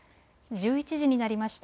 １１時になりました。